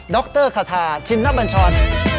รคาทาชินนบัญชร